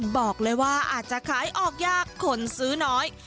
บอกเลยว่าอาจจะขายออกยากคนซื้อน้อย